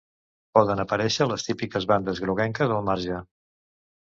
Poden aparèixer les típiques bandes groguenques al marge.